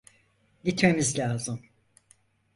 Gitmemiz lâzım.